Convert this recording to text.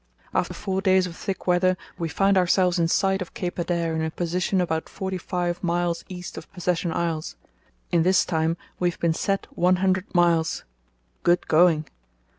After four days of thick weather we find ourselves in sight of Cape Adare in a position about forty five miles east of Possession Isles; in this time we have been set one hundred miles. Good going.